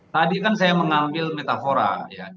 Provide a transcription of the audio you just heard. tadi kan saya mengambil metafora ya